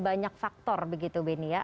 banyak faktor begitu beni ya